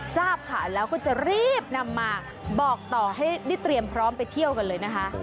ทราบข่าวแล้วก็จะรีบนำมาบอกต่อให้ได้เตรียมพร้อมไปเที่ยวกันเลยนะคะ